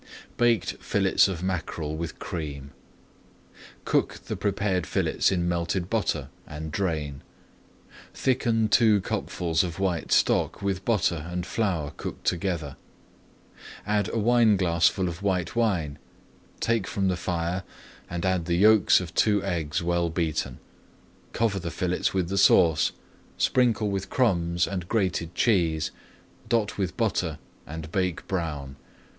BAKED FILLETS OF MACKEREL WITH CREAM Cook the prepared fillets in melted butter and drain. Thicken two cupfuls of white stock with butter and flour cooked together, add a wineglassful of white wine, take from the fire, and add the yolks of two eggs well beaten. Cover the fillets with the sauce, [Page 222] sprinkle with crumbs and grated cheese, dot with butter, and bake brown.